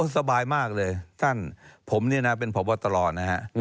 สบายมากเลยท่านผมเนี่ยนะเป็นพบตรนะฮะ